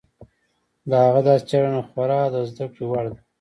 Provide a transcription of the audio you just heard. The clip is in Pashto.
د هغه دا څېړنه خورا د زده کړې وړ ده.